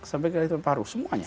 sampai ke ahli teman paru semuanya